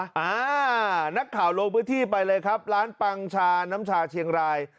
อ่านักข่าวลงพื้นที่ไปเลยครับร้านปังชาน้ำชาเชียงราย